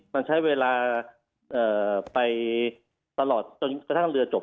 มันใช้เวลาไปตลอดจนกระทั่งเรือจบ